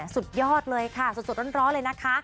สุดยอดเลยค่ะสดร้อนเลยนะคะ